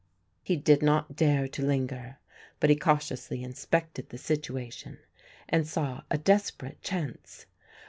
He did not dare to linger, but he cautiously inspected the situation and saw a desperate chance.